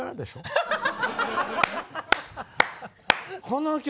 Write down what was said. ハハハハハ。